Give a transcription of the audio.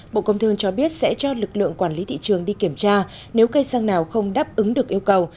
bộ công thương cho biết sẽ cho lực lượng quản lý thị trường đi kiểm tra nếu cây xăng nào không đáp ứng được yêu cầu